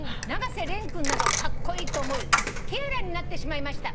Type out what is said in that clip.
瀬廉君などカッコイイと思いティアラになってしまいました。